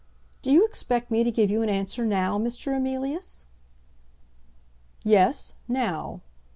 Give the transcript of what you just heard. "Do you expect me to give you answer now, Mr. Emilius?" "Yes, now."